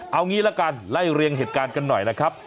เอางี้ละกันไล่เรียงเหตุการณ์กันหน่อยนะครับ